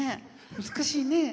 難しいね。